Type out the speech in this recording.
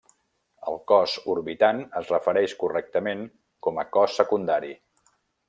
El cos orbitant es refereix correctament com a cos secundari.